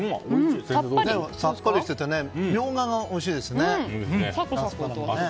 さっぱりしててミョウガがおいしいですね。